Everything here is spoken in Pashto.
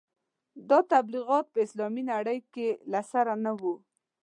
دا تبلیغات په اسلامي دین کې له سره نه وو.